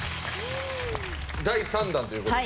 第３弾という事で。